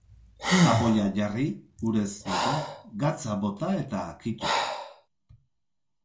Tapoia jarri, urez bete, gatza bota eta kito.